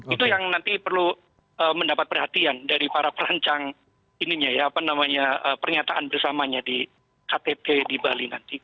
itu yang nanti perlu mendapat perhatian dari para perancang pernyataan bersamanya di ktp di bali nanti